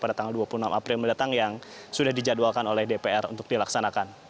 dan tenaga kerja pada tanggal dua puluh enam april mendatang yang sudah dijadwalkan oleh dpr untuk dilaksanakan